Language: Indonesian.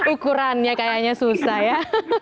ukurannya kayaknya susah ya